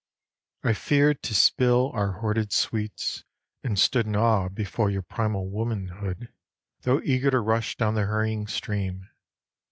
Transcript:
I feared to spill our hoarded sweets, and stood In awe before your primal womanhood, Though eager to rush down the hurrying stream.